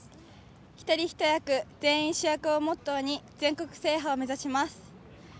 「一人一役、全員主役」をモットーに全国制覇を目指します。